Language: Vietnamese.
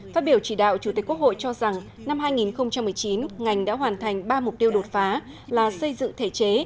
phát biểu chỉ đạo chủ tịch quốc hội cho rằng năm hai nghìn một mươi chín ngành đã hoàn thành ba mục tiêu đột phá là xây dựng thể chế